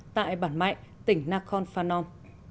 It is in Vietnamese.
tại bản mạy tỉnh nakhon phanom